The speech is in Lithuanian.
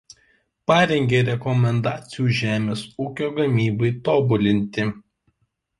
Parengė rekomendacijų žemės ūkio gamybai tobulinti.